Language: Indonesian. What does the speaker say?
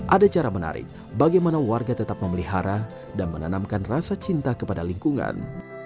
ada cara menarik bagaimana warga tetap memelihara dan menanamkan rasa cinta kepada lingkungan